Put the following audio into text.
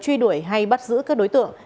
khi đuổi hay bắt giữ các đối tượng